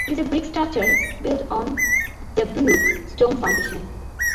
It is a brick structure built on a Dubuque stone foundation.